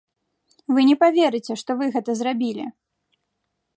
Вы не паверыце, што вы гэта зрабілі!